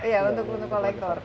ya untuk kolektor